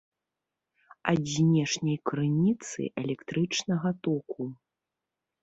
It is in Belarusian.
Ад знешняй крыніцы электрычнага току